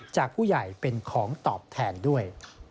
จากผู้ใหญ่เป็นของตอบแทนด้วย